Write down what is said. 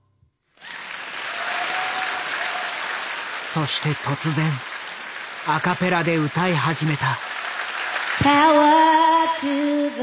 そして突然アカペラで歌い始めた。